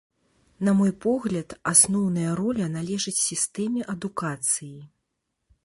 На мой погляд, асноўная роля належыць сістэме адукацыі.